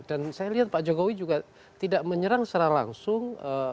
dan saya lihat pak jokowi juga tidak menyerang secara langsung